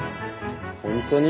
本当に？